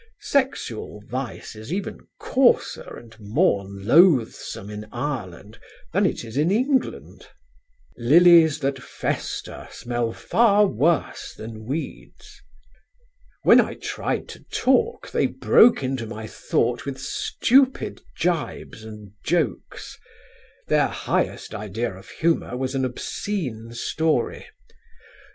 Sexual vice is even coarser and more loathsome in Ireland than it is in England: "'Lilies that fester smell far worse than weeds.' "When I tried to talk they broke into my thought with stupid gibes and jokes. Their highest idea of humour was an obscene story.